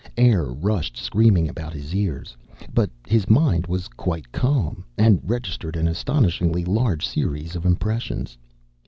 Air rushed screaming about his ears. But his mind was quite calm, and registered an astonishingly large series of impressions.